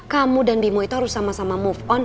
kamu dan bimo itu harus sama sama move on